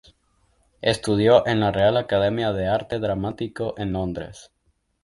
Estudió en la Real Academia de Arte Dramático en Londres.